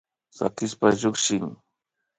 Sakishpa llukshin